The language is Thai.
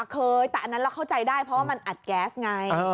เคยแต่อันนั้นเราเข้าใจได้เพราะว่ามันอัดแก๊สไง